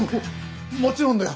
もちろんだよ